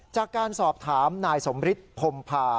จากการสอบถามนายสมริษฐ์พ่มพา